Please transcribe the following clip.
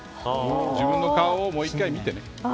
自分の顔も１回見てね。